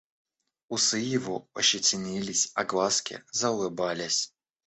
Усы его ощетинились, а глазки заулыбались.